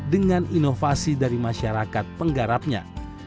dengan inovasi dari masyarakat penggarapnya